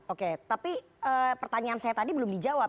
oke tapi pertanyaan saya tadi belum dijawab